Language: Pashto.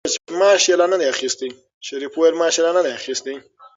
شریف وویل چې معاش یې لا نه دی اخیستی.